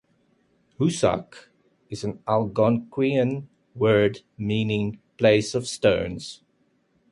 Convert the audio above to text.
"Hoosac" is an Algonquian word meaning "place of stones".